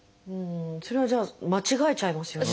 それはじゃあ間違えちゃいますよね。